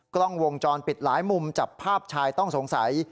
กล้องวงจรปิดหลายมุมจับภาพชายต้องสงสัย